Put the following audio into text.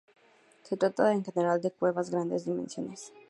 Se trata, en general, de cuevas de grandes dimensiones.